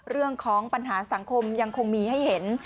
เรื่องของปัญหาสังคมยังคงมีให้เห็น